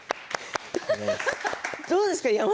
どうですか？